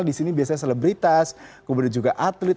di sini biasanya selebritas kemudian juga atlet